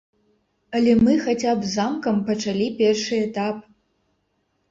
Але мы хаця б з замкам пачалі першы этап.